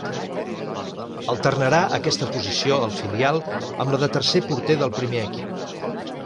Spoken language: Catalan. Alternarà aquesta posició al filial amb la de tercer porter del primer equip.